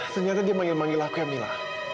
ternyata dia manggil manggil aku ya mila